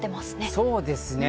そうですね。